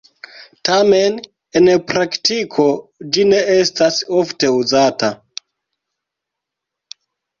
Tamen, en praktiko ĝi ne estas ofte uzata.